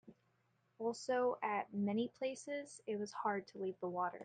Also, at many places it was hard to leave the water.